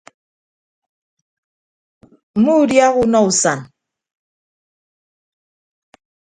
Mmuudiaha unọ usan.